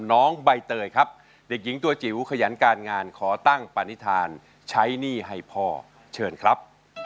น้องใบเตยครับเด็กหญิงตัวจิ๋วขยันการงานขอตั้งปณิธานใช้หนี้ให้พ่อเชิญครับ